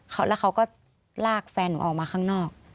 แล้วเขาก็ลากแฟนหนูออกมาข้างนอก